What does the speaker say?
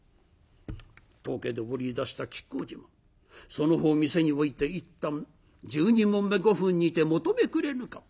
「当家で織りいだした亀甲縞その方店に置いて１反１２匁５分にて求めくれぬか」。